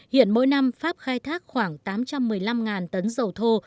hiện mỗi năm pháp khai thác khoảng tám trăm một mươi năm tấn dầu thô